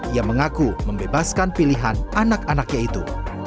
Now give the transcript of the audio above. ia mengaku membebaskan pilihan anak anaknya itu